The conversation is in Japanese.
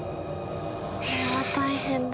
それは大変だ。